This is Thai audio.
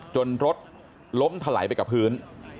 รถล้มถลายไปกับพื้น